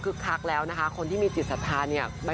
คักแล้วนะคะคนที่มีจิตศรัทธาเนี่ย